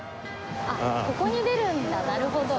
あっここに出るんだなるほど。